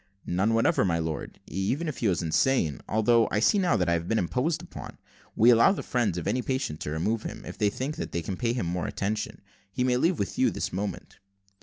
"None whatever, my lord, even if he were insane; although I see now how I have been imposed upon. We allow the friends of any patient to remove him, if they think that they can pay him more attention. He may leave with you this moment."